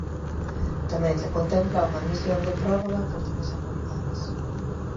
Tamén se contempla unha admisión de prórroga por dúas anualidades.